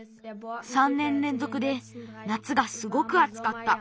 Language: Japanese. ３ねんれんぞくでなつがすごくあつかった。